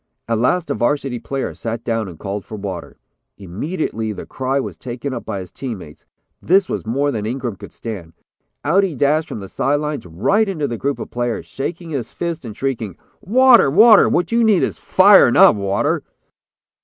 At last, a Varsity player sat down and called for water. Immediately, the cry was taken up by his team mates. This was more than Ingram could stand. Out he dashed from the side lines, right into the group of players, shaking his fist and shrieking: "'Water! Water! What you need is fire, not water!'"